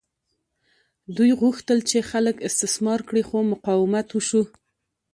دوی غوښتل چې خلک استثمار کړي خو مقاومت وشو.